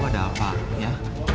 ada apa ya